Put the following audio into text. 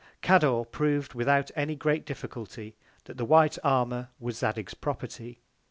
Cador prov'd, without any great Difficulty, that the White Armour was Zadig's Property.